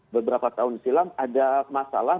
beberapa tahun silam ada masalah